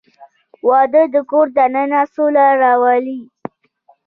• واده د کور دننه سوله راولي.